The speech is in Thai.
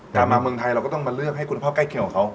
แต่มาเมืองไทยเราก็ต้องมาเลือกให้คุณพ่อใกล้เคียงของเขา